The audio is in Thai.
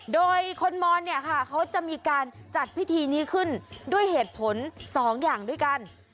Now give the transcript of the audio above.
โดยคนมรเขาจะมีการจัดพิธีนี้ขึ้นด้วยเหตุผลสองอย่างด้วยกัน